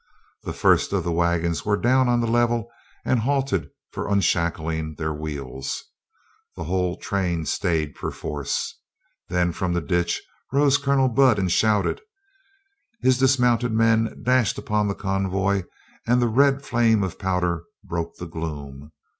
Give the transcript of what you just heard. The first of the wagons were down on the level and halted for unshackling their wheels. The whole train stayed perforce. Then from the ditch rose Colonel Budd and shouted. His dismounted men dashed upon the convoy and the red flame of pow der broke the gloom.